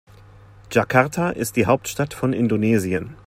Jakarta ist die Hauptstadt von Indonesien.